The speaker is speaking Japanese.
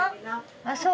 あっそう？